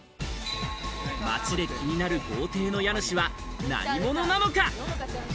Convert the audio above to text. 街で気になる豪邸の家主は何者なのか。